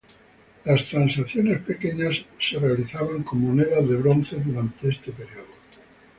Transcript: Las transacciones pequeñas eran realizadas con monedas de bronce durante este periodo.